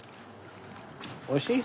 おいしい？